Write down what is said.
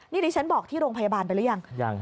นี่ดิฉันบอกที่โรงพยาบาลไปหรือยัง